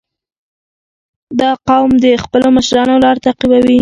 • دا قوم د خپلو مشرانو لار تعقیبوي.